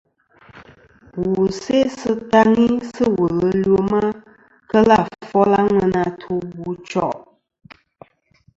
Wù sè sɨ taŋi sɨ̂ wùl ɨ lwema kelɨ̀ àfol a ŋweyn atu wu choʼ.